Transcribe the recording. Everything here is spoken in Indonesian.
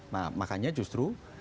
nah makanya justru